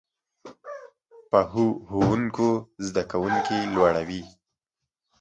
پخو ښوونکو زده کوونکي لوړوي